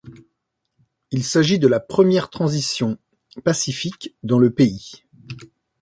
Il s'agit de la première transition pacifique dans le pays.